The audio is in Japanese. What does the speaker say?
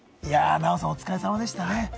奈緒さんお疲れ様でしたね。